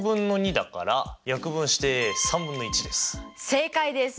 正解です。